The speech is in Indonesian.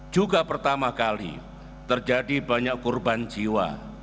juga pertama kali terjadi banyak korban jiwa